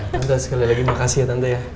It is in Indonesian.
kita sekali lagi makasih ya tante ya